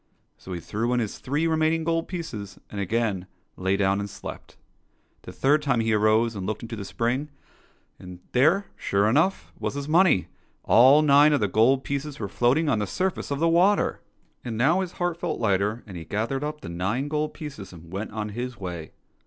So he threw in his three remaining gold pieces, and again lay down and slept. The third time he arose and looked into the spring, and there, sure enough, was his money : all nine of the gold pieces were float ing on the surface of the water ! And now his heart felt lighter, and he gathered up the nine gold pieces and went on his way.